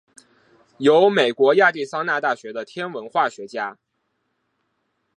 由美国亚利桑那大学的天文化学家。